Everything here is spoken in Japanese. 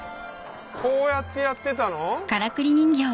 こうやってやってたの？